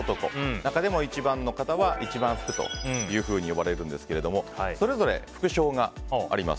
中でも一番の方は一番福というふうに呼ばれるんですけれどもそれぞれ副賞があります。